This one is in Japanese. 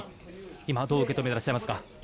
今どう受け止めていらっしゃいますか。